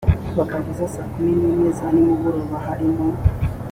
bakageza saa kumi n imwe za nimugoroba h harimo